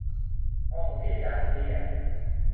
ห้องเพดานเตี้ย